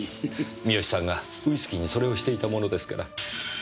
三好さんがウイスキーにそれをしていたものですから。